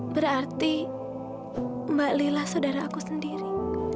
berarti mbak lila saudara aku sendiri